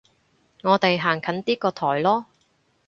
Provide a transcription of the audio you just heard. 我哋行近啲個台囉